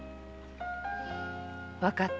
わかった。